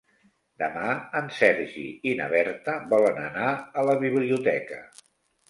Demà en Sergi i na Berta volen anar a la biblioteca.